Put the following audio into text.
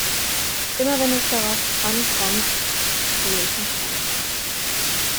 Immer wenn es darauf ankommt, ziehe ich den Schwanz ein.